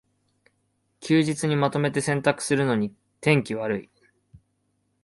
休日にまとめて洗濯するのに天気悪い